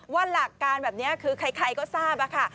หลักการแบบนี้คือใครก็ทราบค่ะ